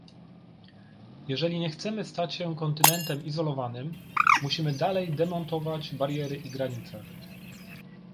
Jeżeli nie chcemy stać się kontynentem izolowanym, musimy dalej demontować bariery i granice